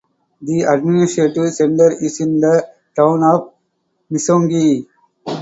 The administrative centre is in the town of Misungwi.